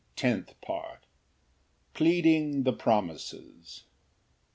Tenth Part. Pleading the promises.